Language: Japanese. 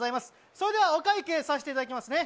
それではお会計さしていただきますね。